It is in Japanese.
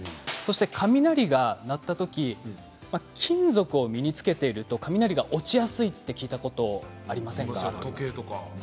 雷が鳴ったとき金属を身に着けていると雷が落ちやすいと聞いたことは時計とか。